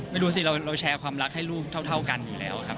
ไม่รู้สิเราแชร์ความรักให้ลูกเท่ากันอยู่แล้วครับ